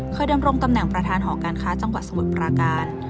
ดำรงตำแหน่งประธานหอการค้าจังหวัดสมุทรปราการ